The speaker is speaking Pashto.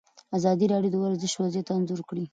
ازادي راډیو د ورزش وضعیت انځور کړی.